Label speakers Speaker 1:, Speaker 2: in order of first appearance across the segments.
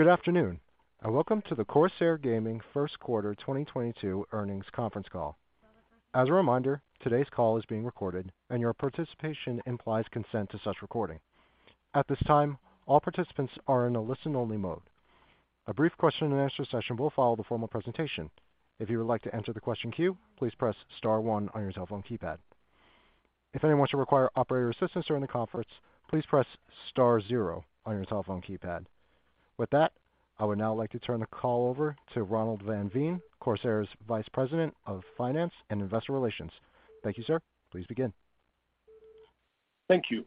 Speaker 1: Good afternoon, and welcome to the Corsair Gaming Q1 2022 Earnings Conference Call. As a reminder, today's call is being recorded, and your participation implies consent to such recording. At this time, all participants are in a listen-only mode. A brief Q&A session will follow the formal presentation. If you would like to enter the question queue, please press star one on your telephone keypad. If anyone should require operator assistance during the conference, please press star zero on your telephone keypad. With that, I would now like to turn the call over to Ronald van Veen, Corsair's Vice President of Finance and Investor Relations. Thank you, sir. Please begin.
Speaker 2: Thank you.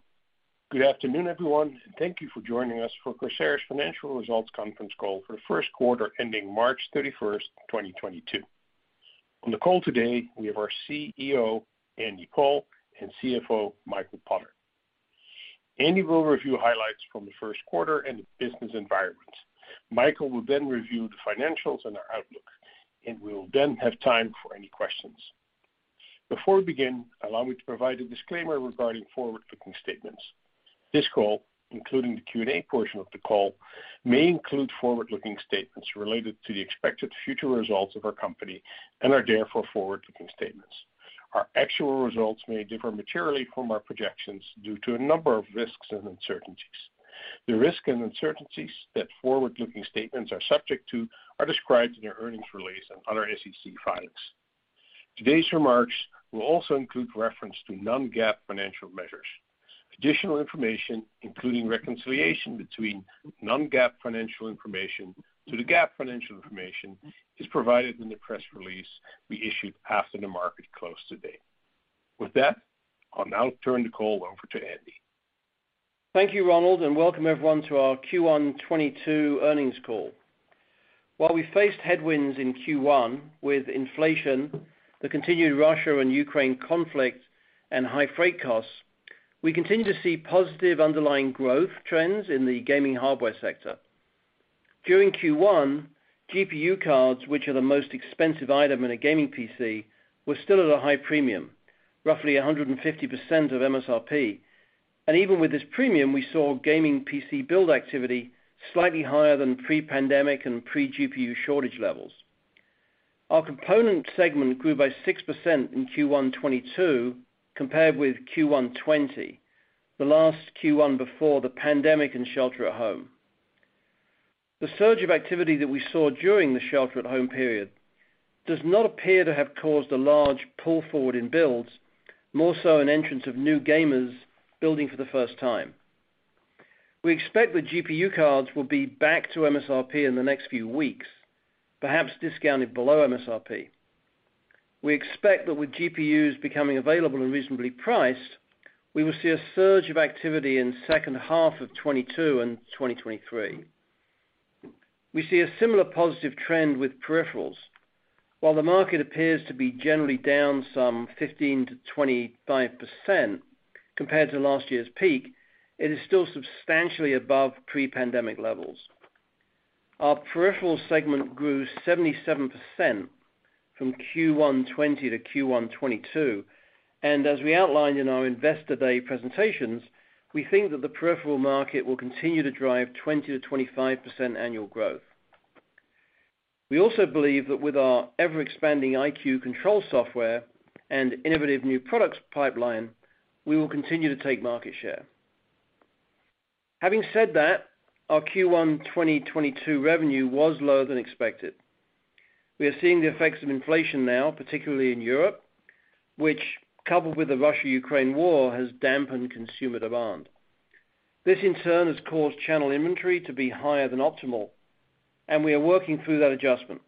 Speaker 2: Good afternoon, everyone, and thank you for joining us for Corsair's Financial Results Conference Call for the Q1 ending March 31, 2022. On the call today, we have our CEO, Andy Paul, and CFO, Michael Potter. Andy will review highlights from the Q1 and the business environment. Michael will then review the financials and our outlook, and we'll then have time for any questions. Before we begin, allow me to provide a disclaimer regarding forward-looking statements. This call, including the Q&A portion of the call, may include forward-looking statements related to the expected future results of our company and are therefore forward-looking statements. Our actual results may differ materially from our projections due to a number of risks and uncertainties. The risks and uncertainties that forward-looking statements are subject to are described in our earnings release and other SEC filings. Today's remarks will also include reference to non-GAAP financial measures. Additional information, including reconciliation between non-GAAP financial information to the GAAP financial information, is provided in the press release we issued after the market closed today. With that, I'll now turn the call over to Andy.
Speaker 3: Thank you, Ronald, and welcome everyone to our Q1 2022 earnings call. While we faced headwinds in Q1 with inflation, the continued Russia and Ukraine conflict, and high freight costs, we continue to see positive underlying growth trends in the gaming hardware sector. During Q1, GPU cards, which are the most expensive item in a gaming PC, were still at a high premium, roughly 150% of MSRP. Even with this premium, we saw gaming PC build activity slightly higher than pre-pandemic and pre-GPU shortage levels. Our component segment grew by 6% in Q1 2022 compared with Q1 2020, the last Q1 before the pandemic and shelter-at-home. The surge of activity that we saw during the shelter-at-home period does not appear to have caused a large pull forward in builds, more so an entrance of new gamers building for the first time. We expect the GPU cards will be back to MSRP in the next few weeks, perhaps discounted below MSRP. We expect that with GPUs becoming available and reasonably priced, we will see a surge of activity in H2 of 2022 and 2023. We see a similar positive trend with peripherals. While the market appears to be generally down some 15%-25% compared to last year's peak, it is still substantially above pre-pandemic levels. Our peripheral segment grew 77% from Q1 2020 to Q1 2022, and as we outlined in our Investor Day presentations, we think that the peripheral market will continue to drive 20%-25% annual growth. We also believe that with our ever-expanding iCUE control software and innovative new products pipeline, we will continue to take market share. Having said that, our Q1 2022 revenue was lower than expected. We are seeing the effects of inflation now, particularly in Europe, which, coupled with the Russia-Ukraine war, has dampened consumer demand. This, in turn, has caused channel inventory to be higher than optimal, and we are working through that adjustment.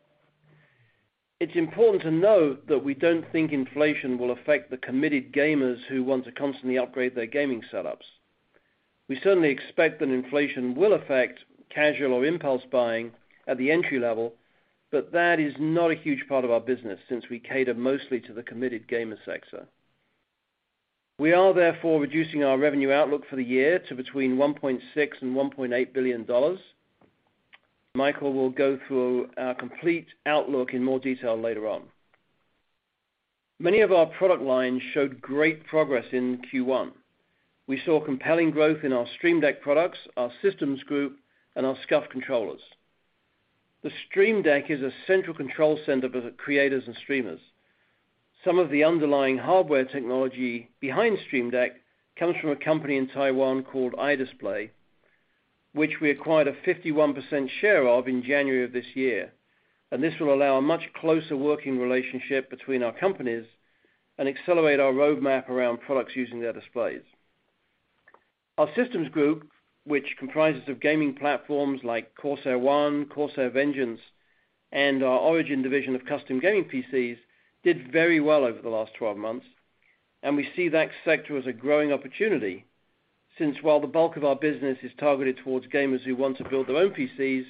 Speaker 3: It's important to note that we don't think inflation will affect the committed gamers who want to constantly upgrade their gaming setups. We certainly expect that inflation will affect casual or impulse buying at the entry level, but that is not a huge part of our business since we cater mostly to the committed gamer sector. We are therefore reducing our revenue outlook for the year to between $1.6 billion and $1.8 billion. Michael will go through our complete outlook in more detail later on. Many of our product lines showed great progress in Q1. We saw compelling growth in our Stream Deck products, our systems group, and our SCUF controllers. The Stream Deck is a central control center for the creators and streamers. Some of the underlying hardware technology behind Stream Deck comes from a company in Taiwan called iDisplay, which we acquired a 51% share of in January of this year. This will allow a much closer working relationship between our companies and accelerate our roadmap around products using their displays. Our systems group, which comprises of gaming platforms like Corsair One, Corsair Vengeance, and our Origin division of custom gaming PCs, did very well over the last 12 months. We see that sector as a growing opportunity since while the bulk of our business is targeted towards gamers who want to build their own PCs,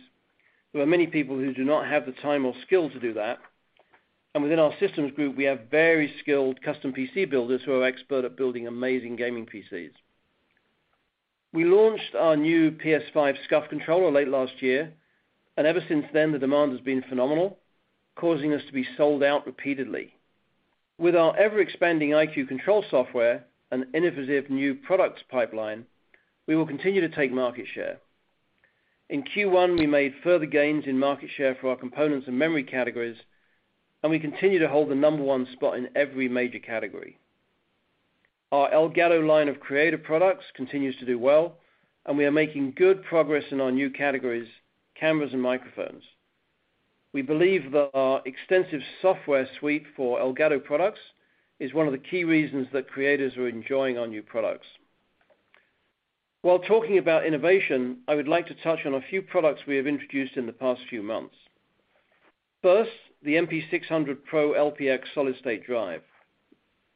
Speaker 3: there are many people who do not have the time or skill to do that. Within our systems group, we have very skilled custom PC builders who are expert at building amazing gaming PCs. We launched our new PS5 SCUF controller late last year, and ever since then, the demand has been phenomenal, causing us to be sold out repeatedly. With our ever-expanding iCUE control software and innovative new products pipeline, we will continue to take market share. In Q1, we made further gains in market share for our components and memory categories, and we continue to hold the number one spot in every major category. Our Elgato line of creative products continues to do well, and we are making good progress in our new categories, cameras and microphones. We believe that our extensive software suite for Elgato products is one of the key reasons that creators are enjoying our new products. While talking about innovation, I would like to touch on a few products we have introduced in the past few months. First, the MP600 PRO LPX solid-state drive.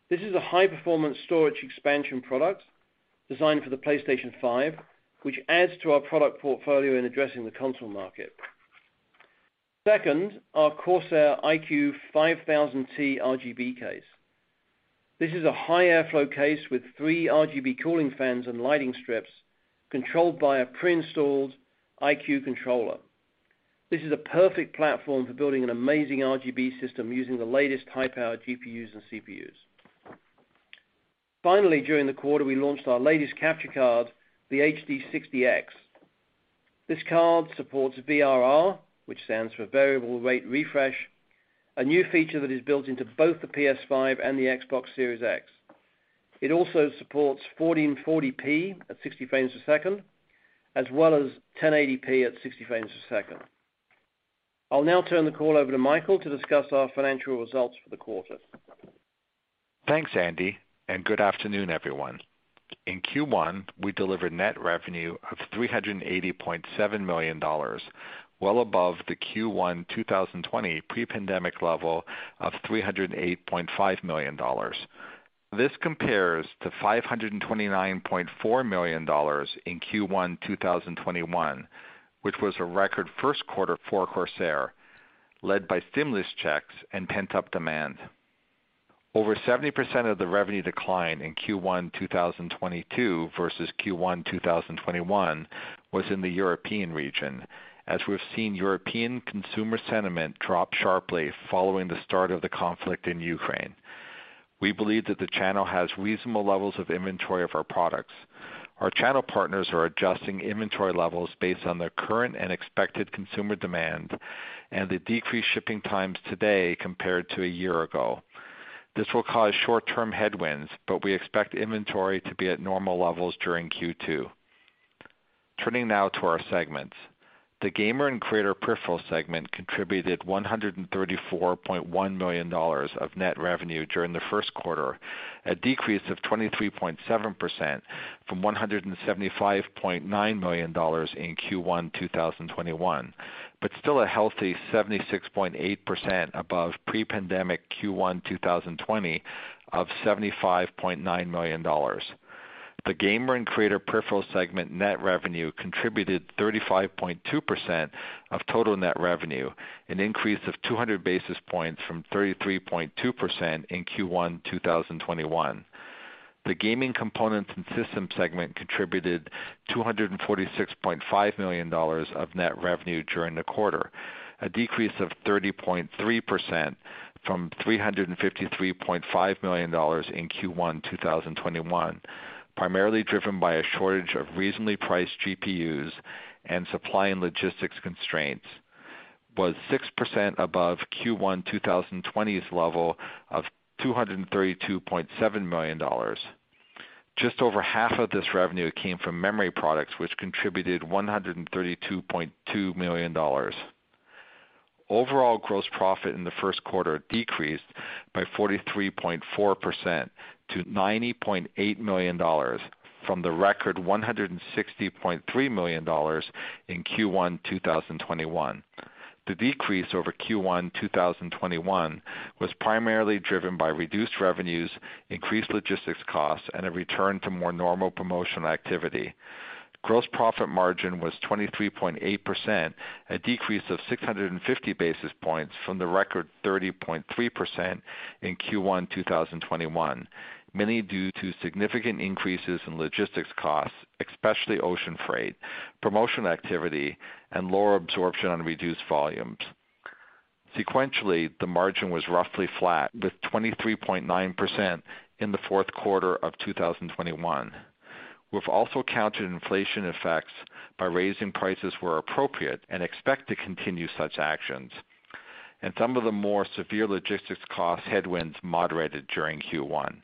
Speaker 3: This is a high-performance storage expansion product designed for the PlayStation 5, which adds to our product portfolio in addressing the console market. Second, our Corsair iCUE 5000T RGB case. This is a high airflow case with three RGB cooling fans and lighting strips controlled by a pre-installed iCUE controller. This is a perfect platform for building an amazing RGB system using the latest high-power GPUs and CPUs. Finally, during the quarter, we launched our latest capture card, the HD60 X. This card supports VRR, which stands for Variable Refresh Rate, a new feature that is built into both the PS5 and the Xbox Series X. It also supports 1440p at 60 frames a second, as well as 1080p at 60 frames a second. I'll now turn the call over to Michael to discuss our financial results for the quarter.
Speaker 4: Thanks, Andy, and good afternoon, everyone. In Q1, we delivered net revenue of $380.7 million, well above the Q1 2020 pre-pandemic level of $308.5 million. This compares to $529.4 million in Q1 2021, which was a record Q1 for Corsair, led by stimulus checks and pent-up demand. Over 70% of the revenue decline in Q1 2022 versus Q1 2021 was in the European region, as we've seen European consumer sentiment drop sharply following the start of the conflict in Ukraine. We believe that the channel has reasonable levels of inventory of our products. Our channel partners are adjusting inventory levels based on their current and expected consumer demand and the decreased shipping times today compared to a year ago. This will cause short-term headwinds, but we expect inventory to be at normal levels during Q2. Turning now to our segments. The gamer and creator peripherals segment contributed $134.1 million of net revenue during the Q1, a decrease of 23.7% from $175.9 million in Q1 2021, but still a healthy 76.8% above pre-pandemic Q1 2020 of $75.9 million. The gamer and creator peripherals segment net revenue contributed 35.2% of total net revenue, an increase of 200 basis points from 33.2% in Q1 2021. The gaming components and system segment contributed $246.5 million of net revenue during the quarter, a decrease of 30.3% from $353.5 million in Q1 2021, primarily driven by a shortage of reasonably priced GPUs and supply and logistics constraints, was 6% above Q1 2020's level of $232.7 million. Just over half of this revenue came from memory products, which contributed $132.2 million. Overall gross profit in the Q1 decreased by 43.4% to $90.8 million from the record $160.3 million in Q1 2021. The decrease over Q1 2021 was primarily driven by reduced revenues, increased logistics costs, and a return to more normal promotional activity. Gross profit margin was 23.8%, a decrease of 650 basis points from the record 30.3% in Q1 2021, mainly due to significant increases in logistics costs, especially ocean freight, promotional activity, and lower absorption on reduced volumes. Sequentially, the margin was roughly flat, with 23.9% in the Q4 of 2021. We've also countered inflation effects by raising prices where appropriate and expect to continue such actions. Some of the more severe logistics cost headwinds moderated during Q1.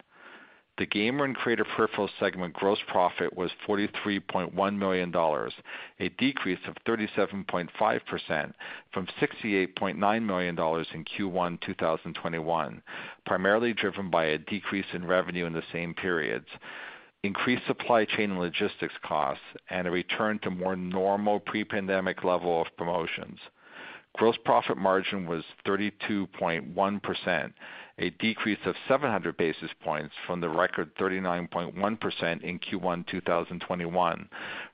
Speaker 4: The gamer and creator peripherals segment gross profit was $43.1 million, a decrease of 37.5% from $68.9 million in Q1 2021, primarily driven by a decrease in revenue in the same periods, increased supply chain and logistics costs, and a return to more normal pre-pandemic level of promotions. Gross profit margin was 32.1%, a decrease of 700 basis points from the record 39.1% in Q1 2021,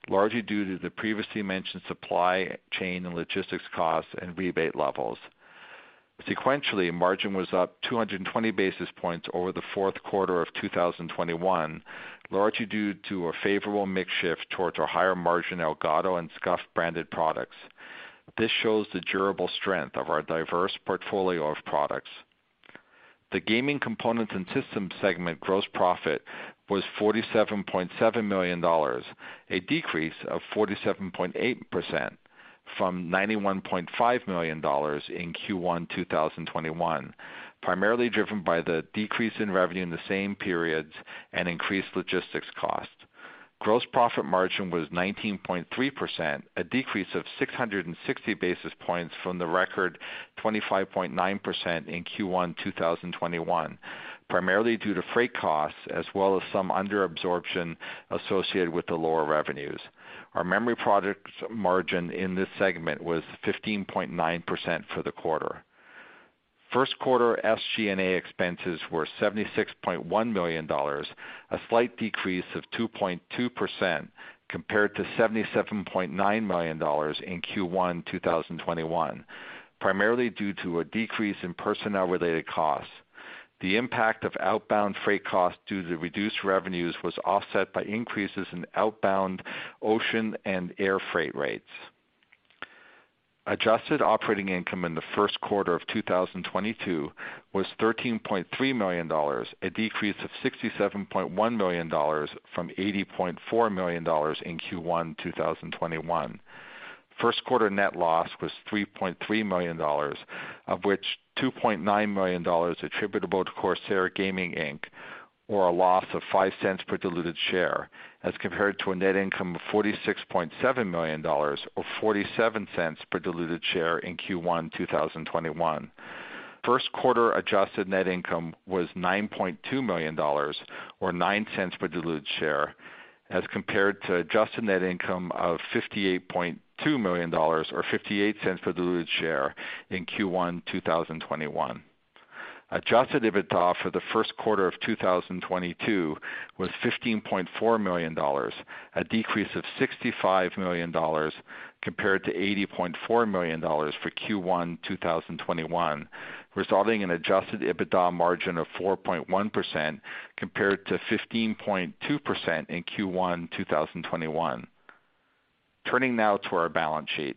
Speaker 4: largely due to the previously mentioned supply chain and logistics costs and rebate levels. Sequentially, margin was up 220 basis points over the Q4 of 2021, largely due to a favorable mix shift towards our higher margin Elgato and SCUF branded products. This shows the durable strength of our diverse portfolio of products. The gaming components and systems segment gross profit was $47.7 million, a decrease of 47.8% from $91.5 million in Q1 2021, primarily driven by the decrease in revenue in the same periods and increased logistics costs. Gross profit margin was 19.3%, a decrease of 660 basis points from the record 25.9% in Q1 2021, primarily due to freight costs as well as some under absorption associated with the lower revenues. Our memory products margin in this segment was 15.9% for the quarter. Q1 SG&A expenses were $76.1 million, a slight decrease of 2.2% compared to $77.9 million in Q1 2021, primarily due to a decrease in personnel-related costs. The impact of outbound freight costs due to reduced revenues was offset by increases in outbound ocean and air freight rates. Adjusted operating income in the Q1 of 2022 was $13.3 million, a decrease of $67.1 million from $80.4 million in Q1 2021. Q1 net loss was $3.3 million, of which $2.9 million attributable to Corsair Gaming, Inc., or a loss of $0.05 per diluted share, as compared to a net income of $46.7 million or $0.47 per diluted share in Q1 2021. Q1 adjusted net income was $9.2 million or $0.09 per diluted share, as compared to adjusted net income of $58.2 million or $0.58 per diluted share in Q1 2021. Adjusted EBITDA for the Q1 of 2022 was $15.4 million, a decrease of $65 million compared to $80.4 million for Q1 2021, resulting in adjusted EBITDA margin of 4.1% compared to 15.2% in Q1 2021. Turning now to our balance sheet.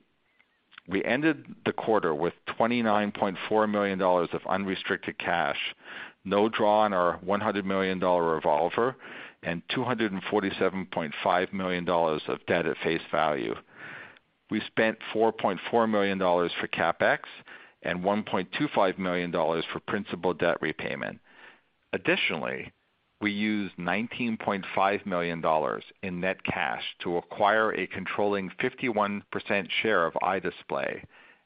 Speaker 4: We ended the quarter with $29.4 million of unrestricted cash, no draw on our $100 million revolver and $247.5 million of debt at face value. We spent $4.4 million for CapEx and $1.25 million for principal debt repayment. Additionally, we used $19.5 million in net cash to acquire a controlling 51% share of iDisplay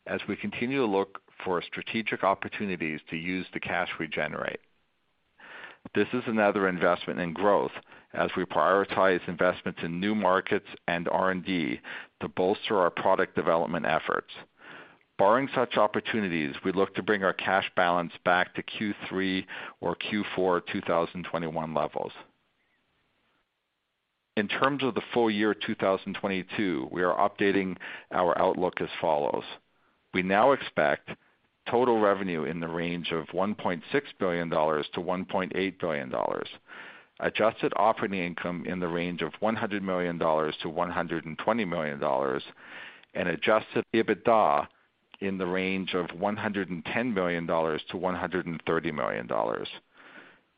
Speaker 4: as we continue to look for strategic opportunities to use the cash we generate. This is another investment in growth as we prioritize investments in new markets and R&D to bolster our product development efforts. Barring such opportunities, we look to bring our cash balance back to Q3 or Q4 2021 levels. In terms of the full year 2022, we are updating our outlook as follows. We now expect total revenue in the range of $1.6 billion-$1.8 billion, adjusted operating income in the range of $100 million-$120 million, and adjusted EBITDA in the range of $110 million-$130 million.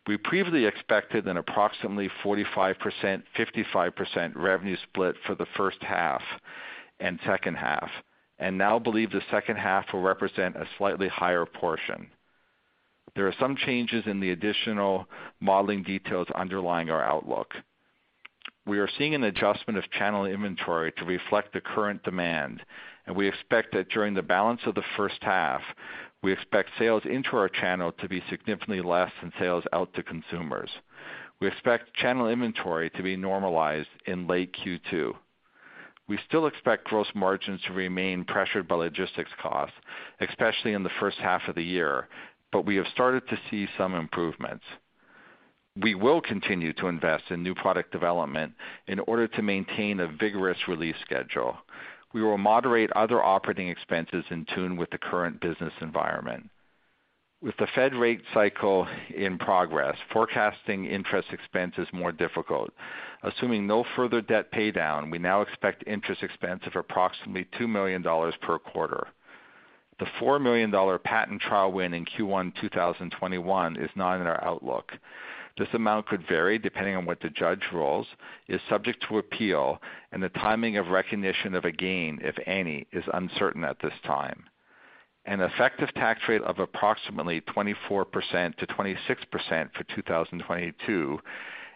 Speaker 4: We previously expected an approximately 45%, 55% revenue split for the H1 and H2, and now believe H2 will represent a slightly higher portion. There are some changes in the additional modeling details underlying our outlook. We are seeing an adjustment of channel inventory to reflect the current demand, and that during the balance of the H1, we expect sales into our channel to be significantly less than sales out to consumers. We expect channel inventory to be normalized in late Q2. We still expect gross margins to remain pressured by logistics costs, especially in the H1 of the year, but we have started to see some improvements. We will continue to invest in new product development in order to maintain a vigorous release schedule. We will moderate other operating expenses in tune with the current business environment. With the Fed rate cycle in progress, forecasting interest expense is more difficult. Assuming no further debt paydown, we now expect interest expense of approximately $2 million per quarter. The $4 million patent trial win in Q1 2021 is not in our outlook. This amount could vary depending on what the judge rules, is subject to appeal, and the timing of recognition of a gain, if any, is uncertain at this time. An effective tax rate of approximately 24%-26% for 2022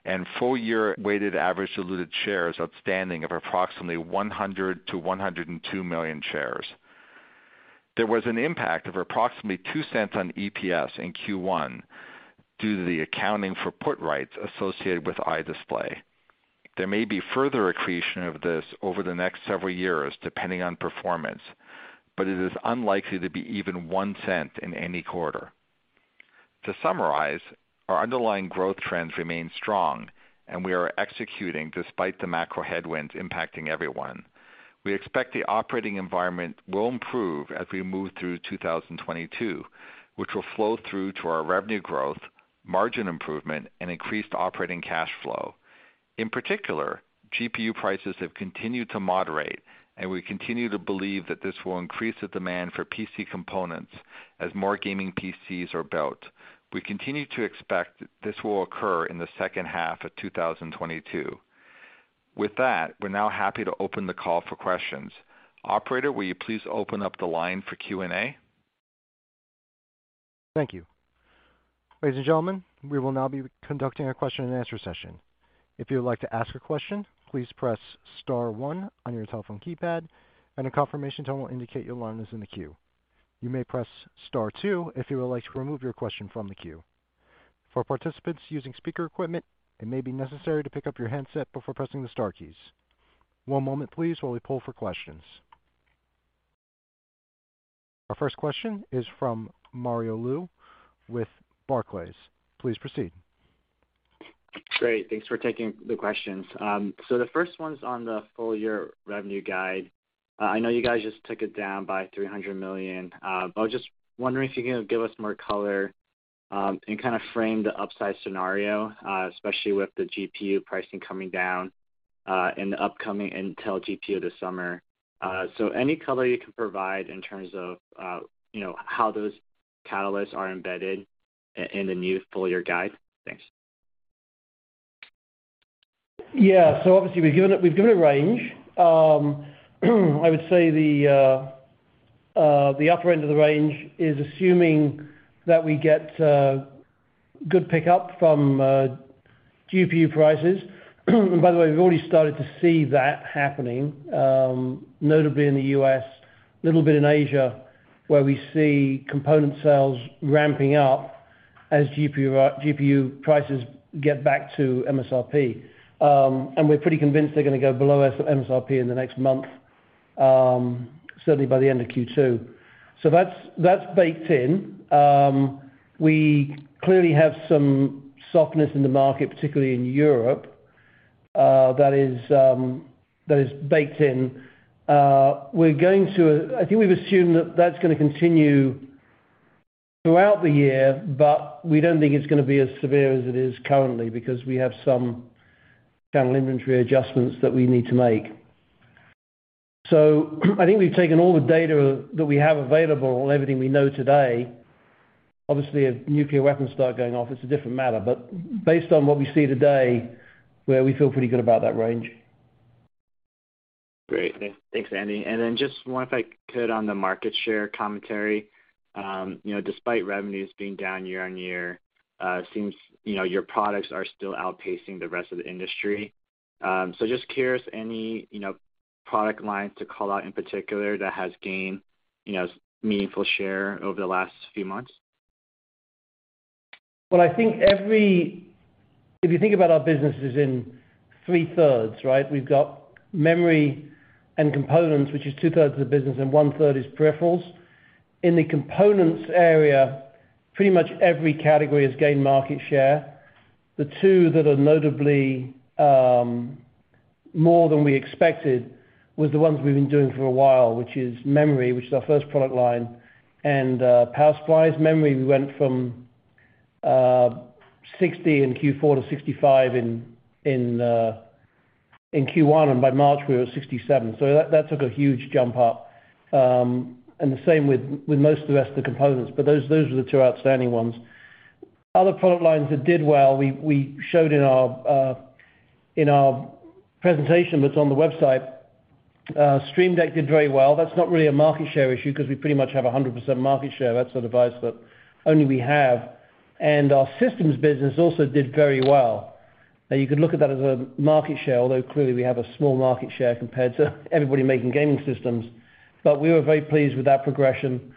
Speaker 4: and full year weighted average diluted shares outstanding of approximately $100 million-$102 million shares. There was an impact of approximately $0.02 on EPS in Q1 due to the accounting for put rights associated with iDisplay. There may be further accretion of this over the next several years, depending on performance, but it is unlikely to be even $0.01 in any quarter. To summarize, our underlying growth trends remain strong and we are executing despite the macro headwinds impacting everyone. We expect the operating environment will improve as we move through 2022, which will flow through to our revenue growth, margin improvement and increased operating cash flow. In particular, GPU prices have continued to moderate, and we continue to believe that this will increase the demand for PC components as more gaming PCs are built. We continue to expect this will occur in the H2 of 2022. With that, we're now happy to open the call for questions. Operator, will you please open up the line for Q&A?
Speaker 1: Thank you. Ladies and gentlemen, we will now be conducting a question-and-answer session. If you would like to ask a question, please press star one on your telephone keypad and a confirmation tone will indicate your line is in the queue. You may press star two if you would like to remove your question from the queue. For participants using speaker equipment, it may be necessary to pick up your handset before pressing the star keys. One moment please while we pull for questions. Our first question is from Mario Lu with Barclays. Please proceed.
Speaker 5: Great. Thanks for taking the questions. The first one's on the full year revenue guide. I know you guys just took it down by $300 million. I was just wondering if you can give us more color, and kind of frame the upside scenario, especially with the GPU pricing coming down, and the upcoming Intel GPU this summer. Any color you can provide in terms of, you know, how those catalysts are embedded in the new full year guide? Thanks.
Speaker 3: Yeah. Obviously, we've given a range. I would say the upper end of the range is assuming that we get good pickup from GPU prices. By the way, we've already started to see that happening, notably in the US, little bit in Asia, where we see component sales ramping up as GPU prices get back to MSRP. We're pretty convinced they're gonna go below MSRP in the next month, certainly by the end of Q2. That's baked in. We clearly have some softness in the market, particularly in Europe, that is baked in. I think we've assumed that that's gonna continue throughout the year, but we don't think it's gonna be as severe as it is currently because we have some channel inventory adjustments that we need to make. I think we've taken all the data that we have available, everything we know today. Obviously, if nuclear weapons start going off, it's a different matter. Based on what we see today, where we feel pretty good about that range.
Speaker 5: Great. Thanks, Andy. Just one, if I could, on the market share commentary. You know, despite revenues being down year-over-year, it seems your products are still outpacing the rest of the industry. Just curious, any product lines to call out in particular that has gained meaningful share over the last few months?
Speaker 3: Well, if you think about our businesses in three-thirds, right? We've got memory and components, which is two-thirds of the business, and one-third is peripherals. In the components area, pretty much every category has gained market share. The two that are notably more than we expected was the ones we've been doing for a while, which is memory, which is our first product line, and power supplies. Memory, we went from 60% in Q4 to 65% in Q1, and by March we were 67%. That took a huge jump up. The same with most of the rest of the components, but those were the two outstanding ones. Other product lines that did well, we showed in our presentation that's on the website. Stream Deck did very well. That's not really a market share issue because we pretty much have 100% market share. That's a device that only we have. Our systems business also did very well. Now you could look at that as a market share, although clearly we have a small market share compared to everybody making gaming systems. We were very pleased with that progression.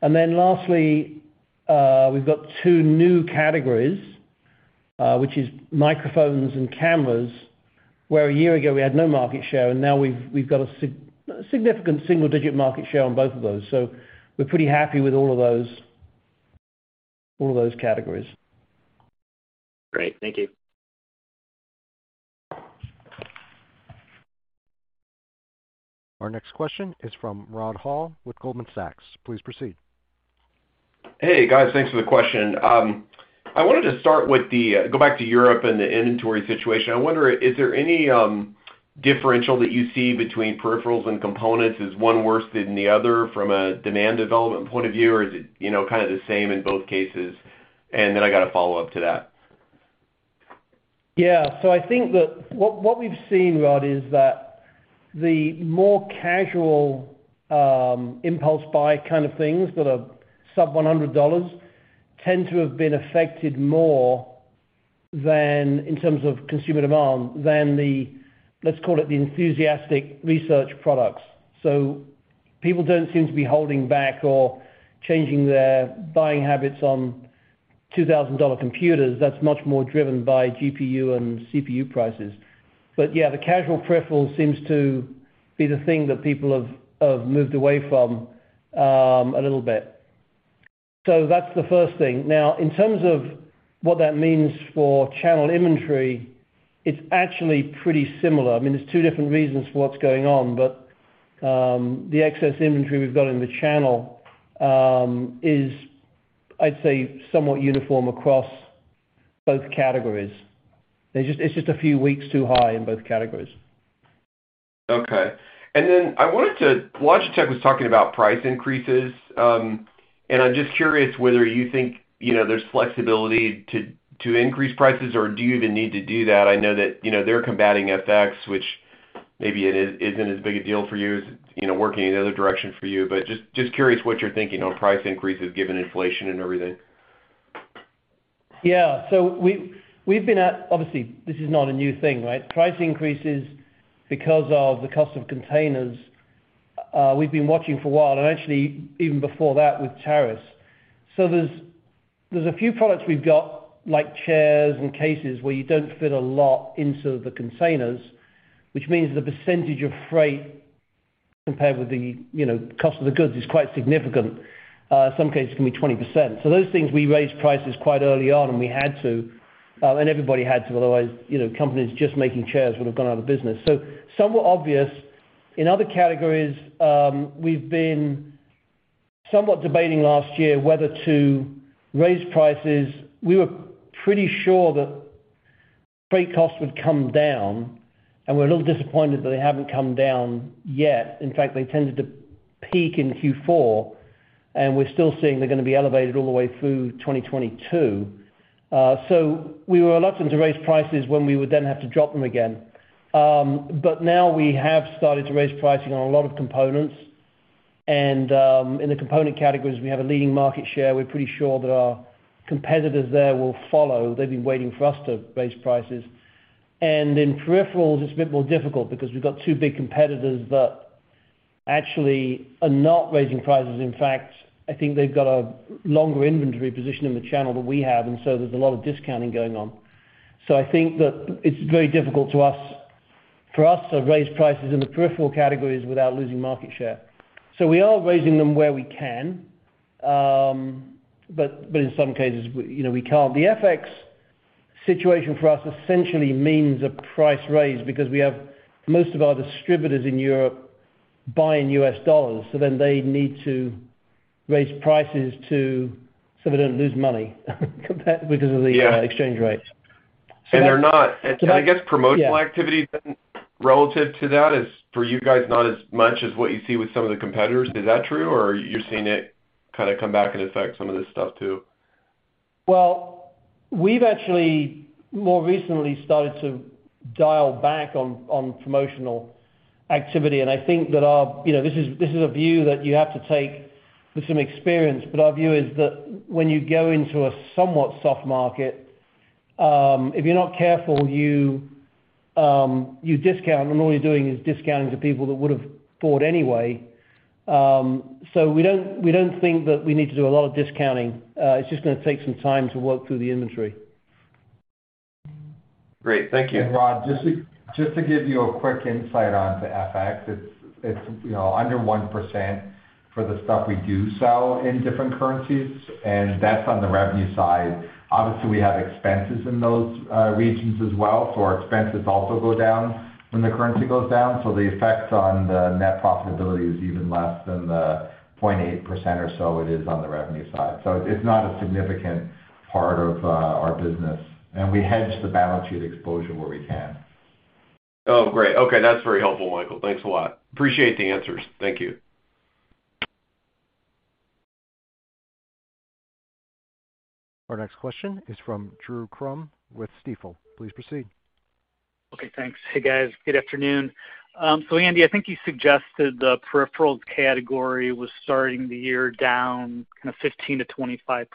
Speaker 3: Then lastly, we've got two new categories, which is microphones and cameras, where a year ago we had no market share, and now we've got a significant single-digit market share on both of those. We're pretty happy with all of those categories.
Speaker 5: Great. Thank you.
Speaker 1: Our next question is from Rod Hall with Goldman Sachs. Please proceed.
Speaker 6: Hey, guys. Thanks for the question. I wanted to start with the go back to Europe and the inventory situation. I wonder, is there any differential that you see between peripherals and components? Is one worse than the other from a demand development point of view, or is it, you know, kind of the same in both cases? I got a follow-up to that.
Speaker 3: Yeah. I think that what we've seen, Rod, is that the more casual, impulse buy kind of things that are sub-$100 tend to have been affected more than in terms of consumer demand than the, let's call it the enthusiastic research products. People don't seem to be holding back or changing their buying habits on $2,000 computers. That's much more driven by GPU and CPU prices. Yeah, the casual peripheral seems to be the thing that people have moved away from, a little bit. That's the first thing. Now, in terms of what that means for channel inventory, it's actually pretty similar. I mean, there are two different reasons for what's going on, but the excess inventory we've got in the channel is, I'd say, somewhat uniform across both categories. It's just a few weeks too high in both categories.
Speaker 6: Okay. Logitech was talking about price increases, and I'm just curious whether you think, you know, there's flexibility to increase prices, or do you even need to do that? I know that, you know, they're combating FX, which maybe it isn't as big a deal for you as, you know, working in the other direction for you. Just curious what you're thinking on price increases given inflation and everything.
Speaker 3: Yeah. Obviously, this is not a new thing, right? Price increases because of the cost of containers. We've been watching for a while, and actually even before that with tariffs. There's a few products we've got, like chairs and cases, where you don't fit a lot into the containers, which means the percentage of freight compared with the, you know, cost of the goods is quite significant. In some cases can be 20%. Those things we raised prices quite early on, and we had to, and everybody had to, otherwise, you know, companies just making chairs would have gone out of business. Somewhat obvious. In other categories, we've been somewhat debating last year whether to raise prices. We were pretty sure that freight costs would come down, and we're a little disappointed that they haven't come down yet. In fact, they tended to peak in Q4, and we're still seeing they're gonna be elevated all the way through 2022. We were reluctant to raise prices when we would then have to drop them again. But now we have started to raise pricing on a lot of components. In the component categories, we have a leading market share. We're pretty sure that our competitors there will follow. They've been waiting for us to raise prices. In peripherals, it's a bit more difficult because we've got two big competitors that actually are not raising prices. In fact, I think they've got a longer inventory position in the channel than we have, and so there's a lot of discounting going on. I think that it's very difficult for us to raise prices in the peripheral categories without losing market share. We are raising them where we can, but in some cases, you know, we can't. The FX situation for us essentially means a price raise because we have most of our distributors in Europe buying US dollars, so then they need to raise prices so they don't lose money because of the-
Speaker 6: Yeah
Speaker 3: exchange rates.
Speaker 6: They're not.
Speaker 3: So that-
Speaker 6: I guess promotional activity.
Speaker 3: Yeah
Speaker 6: Relative to that is for you guys not as much as what you see with some of the competitors. Is that true, or you're seeing it kind of come back and affect some of this stuff too?
Speaker 3: Well, we've actually more recently started to dial back on promotional activity, and I think that. You know, this is a view that you have to take with some experience. Our view is that when you go into a somewhat soft market, if you're not careful, you discount, and all you're doing is discounting to people that would've bought anyway. We don't think that we need to do a lot of discounting. It's just gonna take some time to work through the inventory.
Speaker 6: Great. Thank you.
Speaker 4: Rod, just to give you a quick insight onto FX, it's you know, under 1% for the stuff we do sell in different currencies, and that's on the revenue side. Obviously, we have expenses in those regions as well, so our expenses also go down when the currency goes down. The effect on the net profitability is even less than the 0.8% or so it is on the revenue side. It's not a significant part of our business, and we hedge the balance sheet exposure where we can.
Speaker 6: Oh, great. Okay, that's very helpful, Michael. Thanks a lot. Appreciate the answers. Thank you.
Speaker 1: Our next question is from Drew Crum with Stifel. Please proceed.
Speaker 7: Okay, thanks. Hey, guys. Good afternoon. Andy, I think you suggested the peripherals category was starting the year down kind of 15%-25%.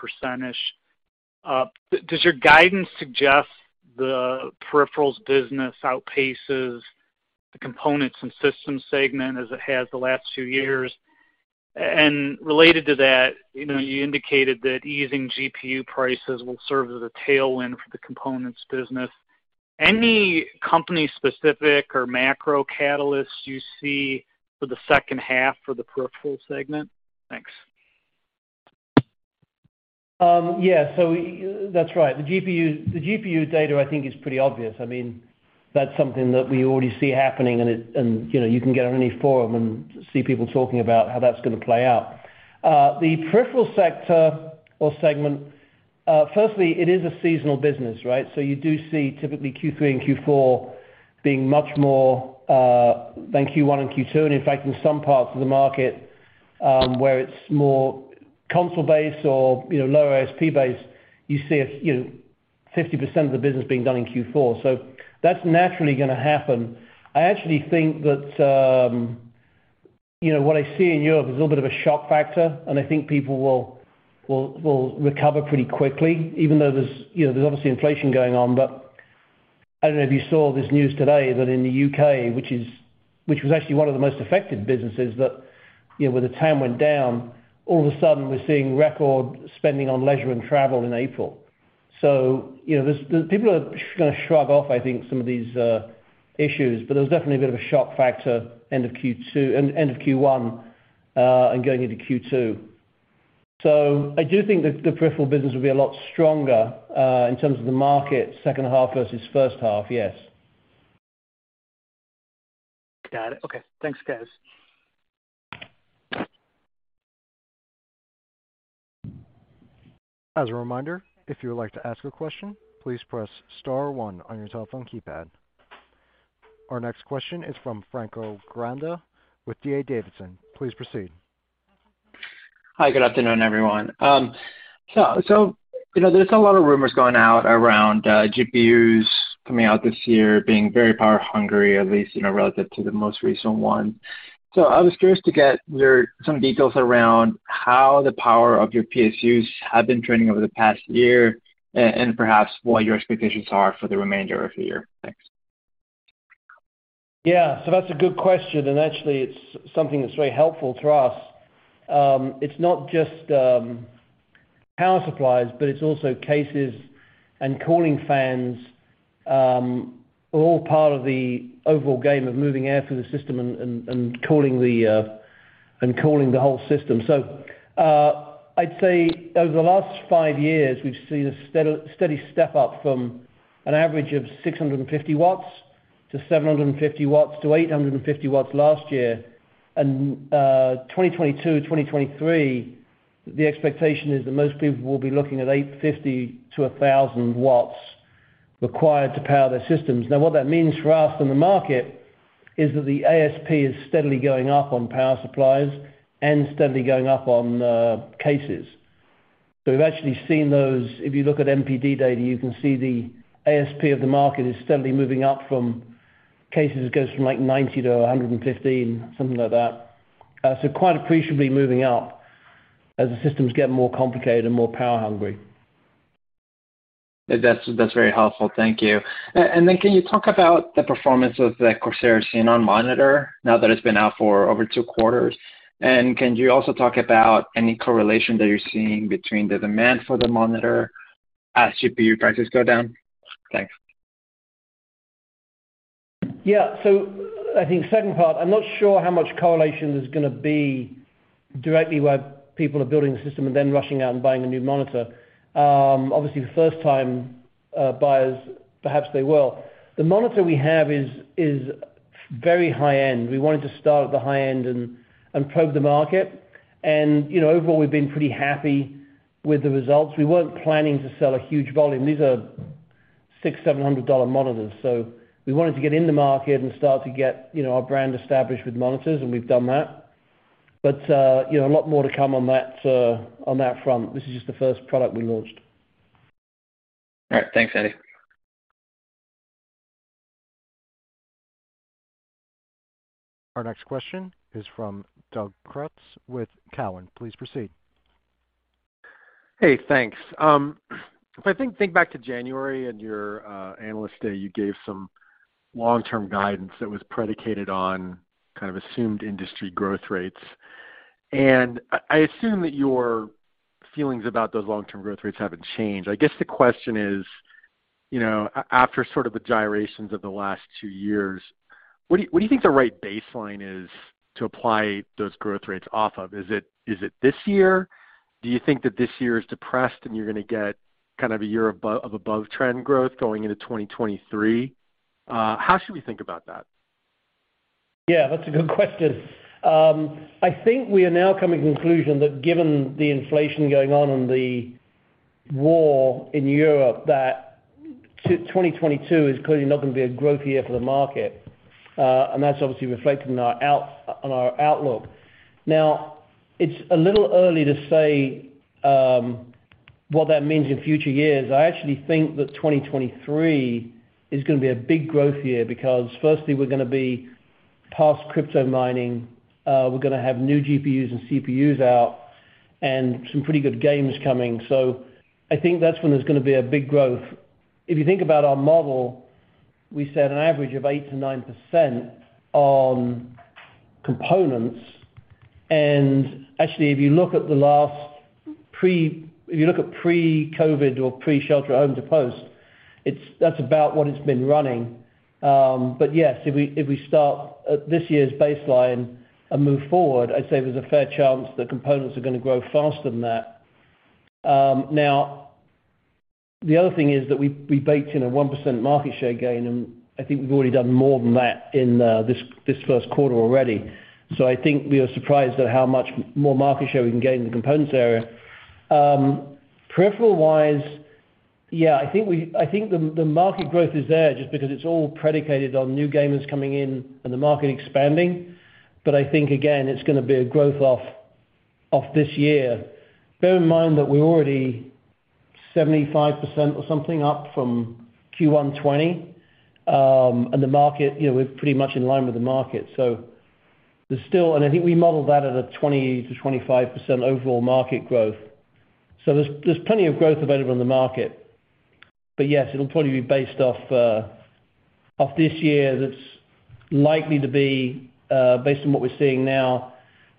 Speaker 7: Does your guidance suggest the peripherals business outpaces the components and systems segment as it has the last few years? Related to that, you know, you indicated that easing GPU prices will serve as a tailwind for the components business. Any company-specific or macro catalysts you see for the H2 for the peripheral segment? Thanks.
Speaker 3: Yeah. That's right. The GPU data I think is pretty obvious. I mean, that's something that we already see happening, you know, you can get on any forum and see people talking about how that's gonna play out. The peripheral sector or segment, firstly, it is a seasonal business, right? You do see typically Q3 and Q4 being much more than Q1 and Q2. In fact, in some parts of the market, where it's more console-based or, you know, lower ASP based, you see, you know, 50% of the business being done in Q4. That's naturally gonna happen. I actually think that, you know, what I see in Europe is a little bit of a shock factor, and I think people will recover pretty quickly even though there's, you know, there's obviously inflation going on. I don't know if you saw this news today that in the U.K., which was actually one of the most affected countries, that, you know, when the pound went down, all of a sudden we're seeing record spending on leisure and travel in April. People are gonna shrug off, I think, some of these issues, but there was definitely a bit of a shock factor end of Q1, and going into Q2. I do think that the peripheral business will be a lot stronger, in terms of the market H2 versus H1. Yes.
Speaker 7: Got it. Okay. Thanks, guys.
Speaker 1: As a reminder, if you would like to ask a question, please press star one on your telephone keypad. Our next question is from Franco Granda with D.A. Davidson. Please proceed.
Speaker 8: Hi. Good afternoon, everyone. You know, there's a lot of rumors going out around GPUs coming out this year being very power hungry, at least, you know, relative to the most recent one. I was curious to get some details around how the power of your PSUs have been trending over the past year and perhaps what your expectations are for the remainder of the year. Thanks.
Speaker 3: Yeah. That's a good question, and actually it's something that's very helpful to us. It's not just power supplies, but it's also cases and cooling fans are all part of the overall game of moving air through the system and cooling the whole system. I'd say over the last 5 years, we've seen a steady step up from an average of 650 watts to 750 watts to 850 watts last year. 2022, 2023, the expectation is that most people will be looking at 850 to 1,000 watts required to power their systems. Now what that means for us in the market is that the ASP is steadily going up on power supplies and steadily going up on cases. We've actually seen those. If you look at NPD data, you can see the ASP of the market is steadily moving up from cases. It goes from, like, $90-$115, something like that. Quite appreciably moving up as the systems get more complicated and more power hungry.
Speaker 8: That's very helpful. Thank you. Then can you talk about the performance of the Corsair Xeneon monitor now that it's been out for over two quarters? Can you also talk about any correlation that you're seeing between the demand for the monitor as GPU prices go down? Thanks.
Speaker 3: Yeah. I think second part, I'm not sure how much correlation there's gonna be directly where people are building a system and then rushing out and buying a new monitor. Obviously the first time buyers, perhaps they will. The monitor we have is very high-end. We wanted to start at the high end and probe the market. You know, overall, we've been pretty happy with the results. We weren't planning to sell a huge volume. These are $600-$700 monitors. We wanted to get in the market and start to get, you know, our brand established with monitors, and we've done that. You know, a lot more to come on that front. This is just the first product we launched.
Speaker 8: All right. Thanks, Andy.
Speaker 1: Our next question is from Doug Creutz with Cowen. Please proceed.
Speaker 9: Hey, thanks. If I think back to January at your analyst day, you gave some long-term guidance that was predicated on kind of assumed industry growth rates. I assume that your feelings about those long-term growth rates haven't changed. I guess the question is, after sort of the gyrations of the last two years, what do you think the right baseline is to apply those growth rates off of? Is it this year? Do you think that this year is depressed and you're gonna get kind of a year of above trend growth going into 2023? How should we think about that?
Speaker 3: Yeah, that's a good question. I think we are now coming to conclusion that given the inflation going on and the war in Europe, that 2022 is clearly not gonna be a growth year for the market. That's obviously reflected in our outlook. Now, it's a little early to say what that means in future years. I actually think that 2023 is gonna be a big growth year because firstly, we're gonna be past crypto mining, we're gonna have new GPUs and CPUs out and some pretty good games coming. I think that's when there's gonna be a big growth. If you think about our model, we set an average of 8%-9% on components. Actually, if you look at pre-COVID or pre-shelter at home to post, that's about what it's been running. Yes, if we start at this year's baseline and move forward, I'd say there's a fair chance that components are gonna grow faster than that. Now the other thing is that we baked in a 1% market share gain, and I think we've already done more than that in this already. I think we were surprised at how much more market share we can gain in the components area. Peripheral-wise, yeah, I think the market growth is there just because it's all predicated on new gamers coming in and the market expanding. I think, again, it's gonna be a growth off this year. Bear in mind that we're already 75% or something up from Q1 2020. The market, you know, we're pretty much in line with the market. There's still I think we modeled that at a 20%-25% overall market growth. There's plenty of growth available in the market. Yes, it'll probably be based off this year that's likely to be based on what we're seeing now,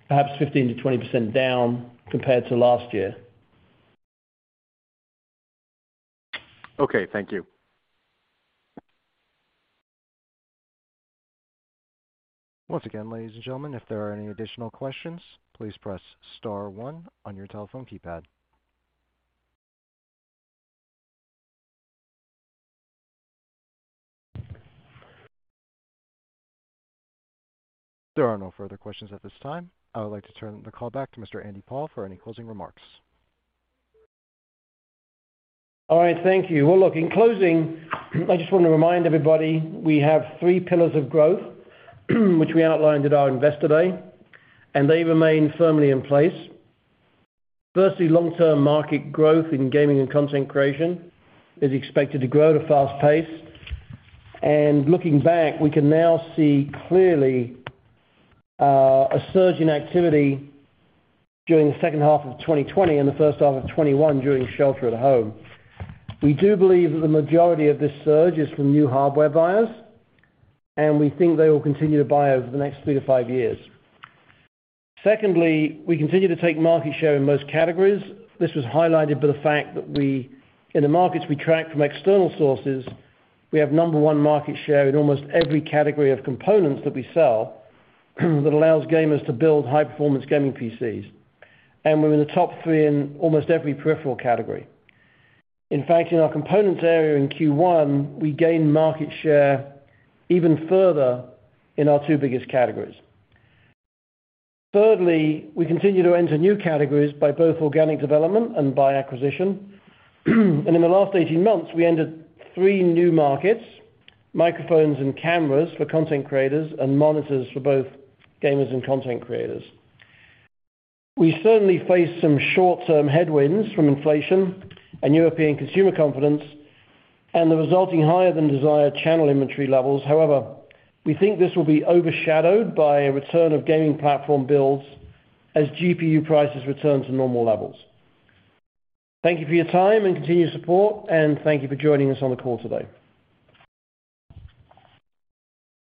Speaker 3: perhaps 15%-20% down compared to last year.
Speaker 9: Okay, thank you.
Speaker 1: Once again, ladies and gentlemen, if there are any additional questions, please press star one on your telephone keypad. There are no further questions at this time. I would like to turn the call back to Mr. Andy Paul for any closing remarks.
Speaker 3: All right. Thank you. Well, look, in closing, I just want to remind everybody we have three pillars of growth which we outlined at our Investor Day, and they remain firmly in place. Firstly, long-term market growth in gaming and content creation is expected to grow at a fast pace. Looking back, we can now see clearly, a surge in activity during the H2 of 2020 and the H1 of 2021 during shelter at home. We do believe that the majority of this surge is from new hardware buyers, and we think they will continue to buy over the next three to five years. Secondly, we continue to take market share in most categories. This was highlighted by the fact that we in the markets we track from external sources, we have number one market share in almost every category of components that we sell that allows gamers to build high-performance gaming PCs. We're in the top three in almost every peripheral category. In fact, in our components area in Q1, we gained market share even further in our two biggest categories. Thirdly, we continue to enter new categories by both organic development and by acquisition. In the last 18 months, we entered three new markets, microphones and cameras for content creators and monitors for both gamers and content creators. We certainly face some short-term headwinds from inflation and European consumer confidence and the resulting higher than desired channel inventory levels. However, we think this will be overshadowed by a return of gaming platform builds as GPU prices return to normal levels. Thank you for your time and continued support, and thank you for joining us on the call today.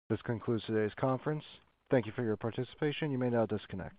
Speaker 1: This concludes today's conference. Thank you for your participation. You may now disconnect.